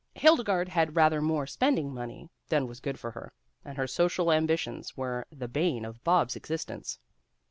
Hildegarde had rather more spending money than was good for her, and her social ambitions were the bane of Bob's existence.